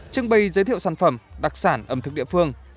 trưng bày giới thiệu sản phẩm đặc sản ẩm thực địa phương